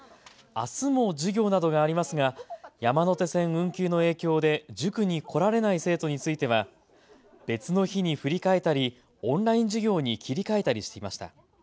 あすも授業などがありますが山手線運休の影響で塾に来られない生徒については別の日に振り替えたりオンライン授業に切り替えたりしました。